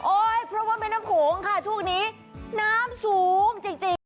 โอ๊ยเพราะว่าเป็นน้ำขูงค่ะช่วงนี้น้ำสูงจริง